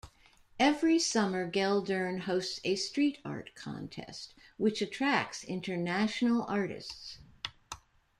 Every summer Geldern hosts a street art contest, which attracts international artists.